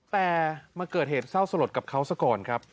แต่มาเกิดเหตุเศร้าสลดกับเขาซะก่อนครับ